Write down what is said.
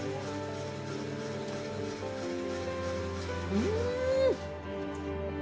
うん！